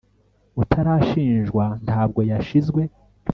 utarashinjwa ntabwo yashizwe